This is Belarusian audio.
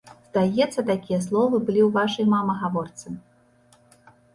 Здаецца, такія словы былі ў вашай, мама, гаворцы?